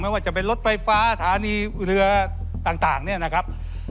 ไม่ว่าจะเป็นรถไฟฟ้าฐานีเรือต่างนะครับ